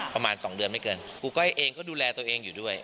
ประมาณสองเดือนไม่เกินครูก้อยเองก็ดูแลตัวเองอยู่ด้วย